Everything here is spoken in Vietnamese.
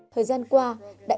thời gian qua